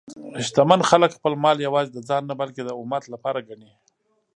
شتمن خلک خپل مال یوازې د ځان نه، بلکې د امت لپاره ګڼي.